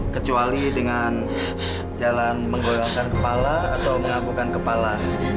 kecuali dengan jalan menggoyongkan kepala atau mengagukan kepala